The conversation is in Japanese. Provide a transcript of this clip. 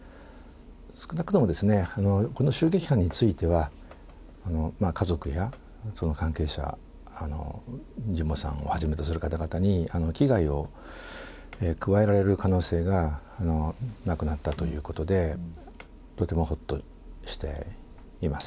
少なくともこの襲撃犯については、家族や、その関係者、神保さんをはじめとする方々に、危害を加えられる可能性がなくなったということで、とてもほっとしています。